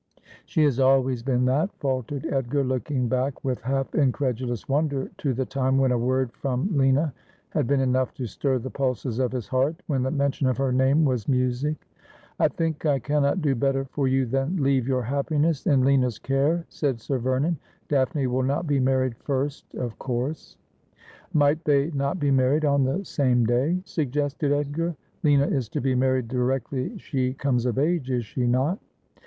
' She has always been that,' faltered Edgar, looking back with half incredulous wonder to the time when a word from Q 242 Asphodel. Lina had been enough to stir the pulses of his heart, when the mention of her name was music. ' I think I cannot do better for you than leave your happi ness in Lina's care,' said Sir Vernon. ' Daphne will not be married first, of course.' ' Might they not be married on the same day ?' suggested Edgar. ' Lina is to be married directly she comes of age, is she not?'